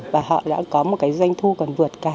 và họ đã có một cái doanh thu còn vượt cả